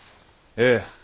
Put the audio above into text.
ええ。